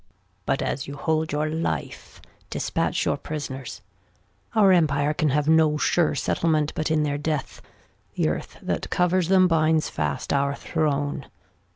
But as you hold your Life, dispatch your Pris'ners. Our Empire can have no sure Settlement But in their Death, the Earth that covers them Binds fast our Throne.